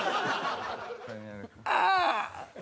「ああ！」。